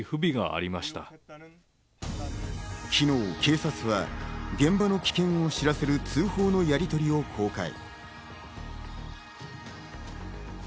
昨日、警察は現場の危険を知らせる通報のやりとりを公開。